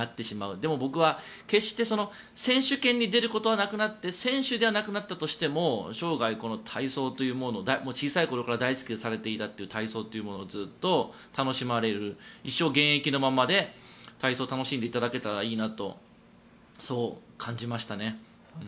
でも僕は、決して選手権に出ることはなくなって選手ではなくなったとしても生涯、この体操というもの小さい頃から大好きでされていたという体操をずっと楽しまれる一生現役のままで体操を楽しんでいただけたらなとそう感じましたね。